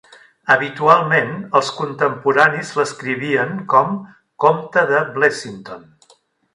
Habitualment els contemporanis l'escrivien com "Comte de Blesinton".